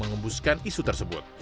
yang mengembuskan isu tersebut